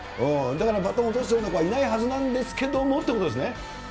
だから、バトンを落とすようなことはいないはずなんですけどもってことですね。